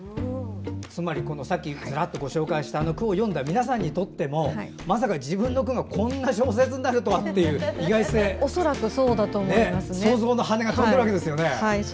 つまりさっきご紹介した句を読んだ皆さんにとってもまさか自分の句がこんな小説になるとはという意外性想像の羽が飛んでいるわけですね。